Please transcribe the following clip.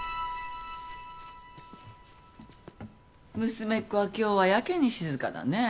娘っ子は今日はやけに静かだね。